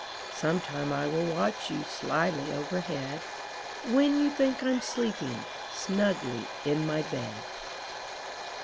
Sometime I will watch you Slyly overhead. When you think Fm sleeping Snugly in my bed.